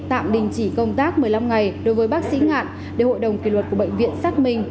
tạm đình chỉ công tác một mươi năm ngày đối với bác sĩ ngạn để hội đồng kỷ luật của bệnh viện xác minh